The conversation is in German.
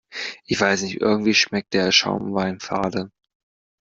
Ich weiß nicht, irgendwie schmeckt der Schaumwein fade.